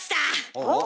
おっ。